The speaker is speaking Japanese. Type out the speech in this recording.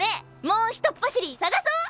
もうひとっ走り探そう！